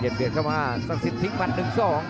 เย็นเข้ามาศักดิ์สิทธิ์ทิ้งมัน๑๒